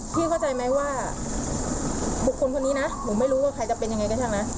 เข้าใจไหมว่าบุคคลคนนี้นะหนูไม่รู้ว่าใครจะเป็นยังไงก็ช่างนะ